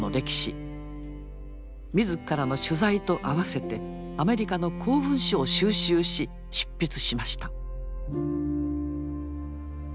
自らの取材と併せてアメリカの公文書を収集し執筆しました。